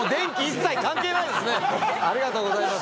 ありがとうございます。